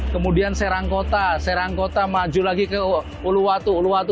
kemudian serangkota serangkota maju lagi ke uluwatu